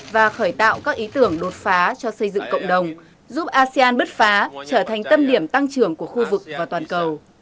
và khởi tạo các ý tưởng đột phá cho xây dựng cộng đồng giúp asean bứt phá trở thành tâm điểm tăng trưởng của khu vực và toàn cầu